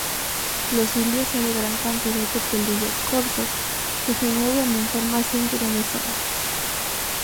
Los cilios son gran cantidad de pelillos cortos, que se mueven en forma sincronizada.